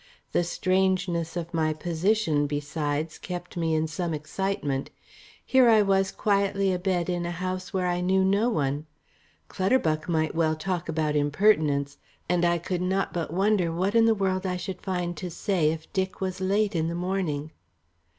The strangeness of my position, besides, kept me in some excitement. Here was I quietly abed in a house where I knew no one; Clutterbuck might well talk about impertinence, and I could not but wonder what in the world I should find to say if Dick was late in the morning.